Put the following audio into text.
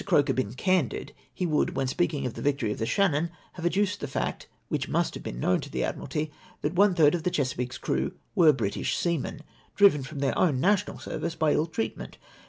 Croker been candid, he would, when speaking of the victory of the Shannon, have ad duced the fact, which must have been known to the Admiralty that one thkd of the Chesapeake's crew were British seamen, driven from then" own national service by ill treatment.